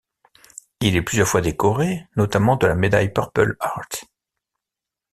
Il est plusieurs fois décoré, notamment de la médaille Purple Heart.